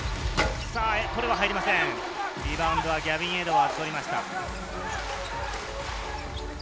リバウンドはギャビン・エドワーズが取りました。